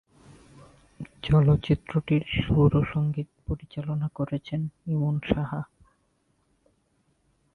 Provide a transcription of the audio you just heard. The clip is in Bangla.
চলচ্চিত্রটির সুর ও সঙ্গীত পরিচালনা করেছেন ইমন সাহা।